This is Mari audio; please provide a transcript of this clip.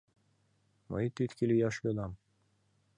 Мый тӱткӧ лияш йодам.